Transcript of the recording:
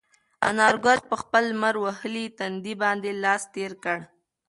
انارګل په خپل لمر وهلي تندي باندې لاس تېر کړ.